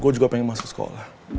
gue juga pengen masuk sekolah